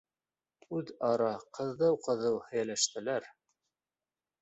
Үҙ-ара ҡыҙыу-ҡыҙыу һөйләштеләр: